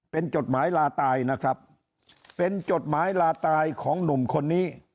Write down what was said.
เป็นจดหมายลาตายนะครับเป็นจดหมายลาตายของหนุ่มคนนี้